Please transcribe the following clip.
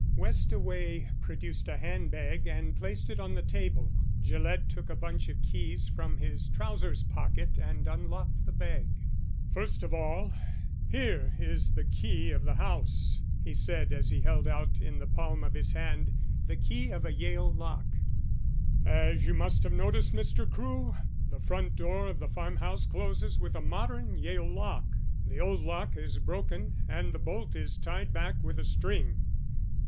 Westaway produced a hand bag and placed it on the table. Gillett took a bunch of keys from his trousers pocket and unlocked the bag. "First of all, here is the key of the house," he said, as he held out in the palm of his hand the key of a Yale lock. "As you must have noticed, Mr. Crewe, the front door of the farmhouse closes with a modern Yale lock; the old lock is broken and the bolt is tied back with a string.